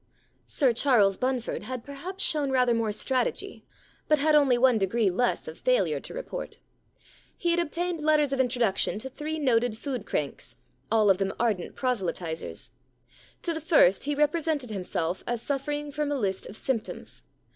* Sir Charles Bunford had perhaps shown rather more strategy, but had only one degree less of failure to report. He had obtained letters of introduction to three noted food cranks, all of them ardent proselytisers. To the first he represented himself as suffering from a list of symptoms.